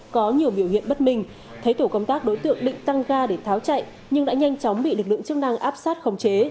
có nhiều biểu hiện bất minh thấy tổ công tác đối tượng định tăng ga để tháo chạy nhưng đã nhanh chóng bị lực lượng chức năng áp sát khống chế